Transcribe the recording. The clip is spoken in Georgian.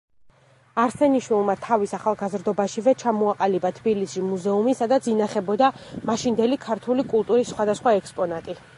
არსენიშვილმა თავის ახალგაზრდობაშივე ჩამოაყალიბა თბილისში მუზეუმი, სადაც ინახებოდა მაშინდელი ქართული კულტურის სხვადასხვა ექსპონატი.